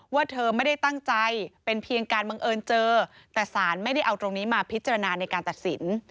เธอไม่ได้ตั้งใจเป็นเพียงการบังเอิญเจอแต่สารไม่ได้เอาตรงนี้มาพิจารณาในการตัดสิน